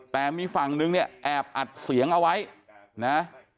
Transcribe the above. แต่มีฝั่งนึงเนี่ยแอบอัดเสียงเอาไว้นะ